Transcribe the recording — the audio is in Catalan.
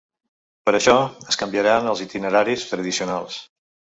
Per això, es canviaran els itineraris tradicionals.